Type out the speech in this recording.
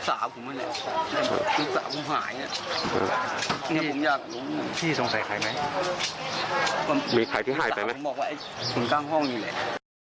สามารถบอกว่าคนข้างห้องอยู่เลย